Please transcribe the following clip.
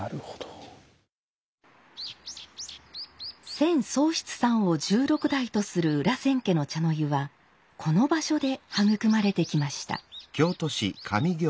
千宗室さんを十六代とする裏千家の茶の湯はこの場所で育まれてきました。